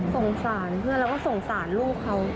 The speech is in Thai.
สงสารเพื่อนแล้วก็สงสารลูกเขา